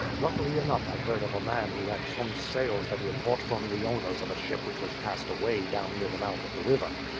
Luckily enough I heard of a man who had some sails that he had bought from the owners of a ship which was cast away down near the mouth of the river.